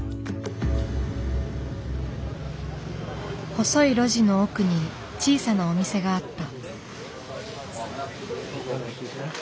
細い路地の奥に小さなお店があった。